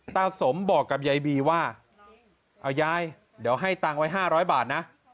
ตาสมบอกกับยายบีว่าเอายายเดี๋ยวให้ตังค์ไว้๕๐๐บาทนะ